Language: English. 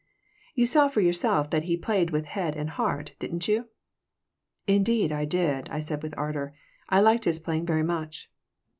You saw for yourself that he played with head and heart, didn't you?" "Indeed, I did," I said, with ardor. "I liked his playing very much."